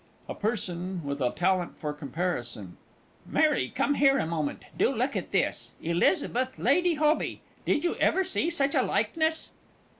A PERSON WITH A TALENT FOR COMPARISON. Mary, come here a moment. Do look at this "Elizabeth, Lady Hoby" did you ever see such a likeness?